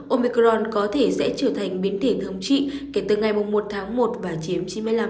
omicron có thể sẽ trở thành biến thể thống trị kể từ ngày một tháng một và chiếm chín mươi năm